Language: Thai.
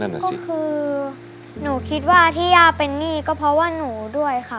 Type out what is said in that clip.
ก็คือหนูคิดว่าที่ย่าเป็นหนี้ก็เพราะว่าหนูด้วยค่ะ